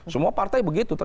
semua partai begitu